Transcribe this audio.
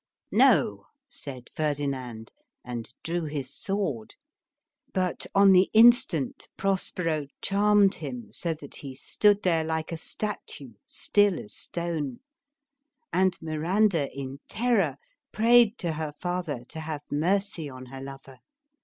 "No," said Ferdinand, and drew his sword. But on the in stant Prospero charmed him so that he stood there like a statue, still as stone; and Miranda in terror prayed to her father to have mercy on her lover.